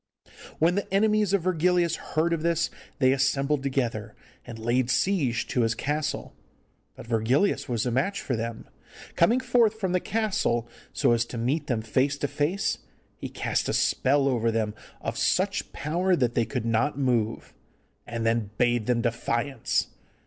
When the enemies of Virgilius heard of this, they assembled together and laid siege to his castle. But Virgilius was a match for them. Coming forth from the castle so as to meet them face to face, he cast a spell over them of such power that they could not move, and then bade them defiance.